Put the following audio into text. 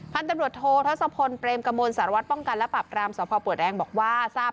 พันธมตร์โททศพลเปรมกระมวลสารวัติป้องกันและปรับกราบสอบภาวะปวดแรงบอกว่า